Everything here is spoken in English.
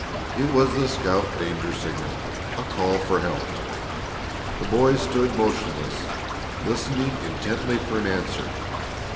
It was the scout danger signal a call for help. The boys stood motionless, listening intently for an answer.